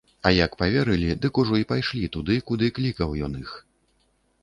А як паверылі, дык ужо й пайшлі туды, куды клікаў ён іх.